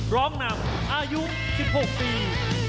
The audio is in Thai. ร้องนำอายุ๑๖ปี